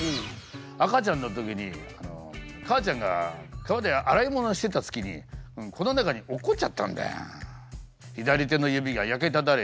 赤ちゃんの時に母ちゃんが川で洗い物してた隙にこの中に落っこっちゃったんだよ。